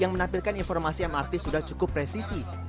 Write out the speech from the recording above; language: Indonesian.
yang menampilkan informasi mrt sudah cukup presisi